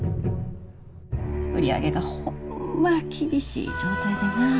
売り上げがホンマ厳しい状態でな。